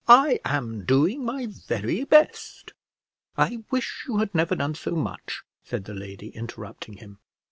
I am doing my very best." "I wish you had never done so much," said the lady, interrupting him.